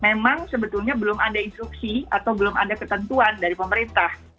memang sebetulnya belum ada instruksi atau belum ada ketentuan dari pemerintah